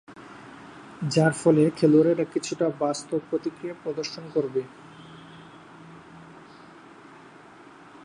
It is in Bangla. যার ফলে খেলোয়াড়রা কিছুটা বাস্তব প্রতিক্রিয়া প্রদর্শন করবে।